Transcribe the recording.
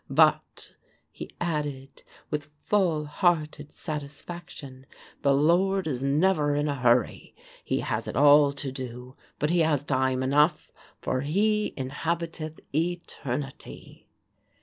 But," he added, with full hearted satisfaction, "the Lord is never in a hurry; he has it all to do, but he has time enough, for he inhabiteth eternity."